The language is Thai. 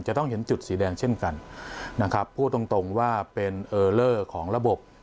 จะต้องเห็นจุดสีแดงเช่นกันนะครับพูดตรงตรงว่าเป็นเออเลอร์ของระบบ